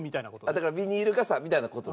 だからビニール傘みたいな事ですね。